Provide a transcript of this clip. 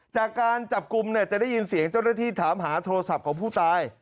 จากการจับกลุ่มเนี่ยจะได้ยินเสียงเจ้าหน้าที่ถามหาโทรศัพท์ของผู้ตาย